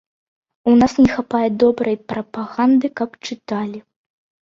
У нас не хапае добрай прапаганды, каб чыталі.